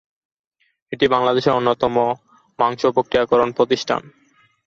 এটি বাংলাদেশের অন্যতম মাংস প্রক্রিয়াকরণ প্রতিষ্ঠান।